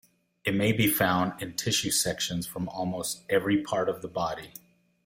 It may be found in tissue sections from almost every part of the body.